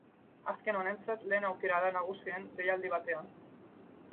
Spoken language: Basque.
Azken honentzat lehen aukera da nagusien deialdi batean.